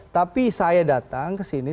tapi saya datang kesini